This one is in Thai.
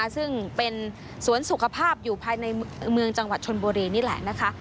ซึ่งเป็นสวนสุขภาพอยู่ภายในเมืองจังหวัดชนบุรีนี่แหละนะคะ